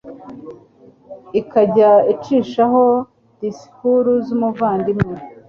ikajya icishaho disikuru z umuvandimwe